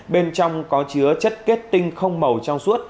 bên trong có chứa chất kết tinh không màu